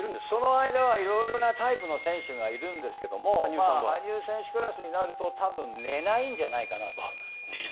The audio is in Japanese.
その間は色々なタイプの選手がいるんですけども羽生選手クラスになると多分寝ないんじゃないかなと。